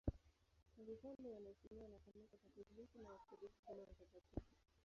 Tangu kale wanaheshimiwa na Kanisa Katoliki na Waorthodoksi kama watakatifu.